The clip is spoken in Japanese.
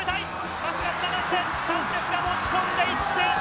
パスがつながって、そして持ち込んでいった。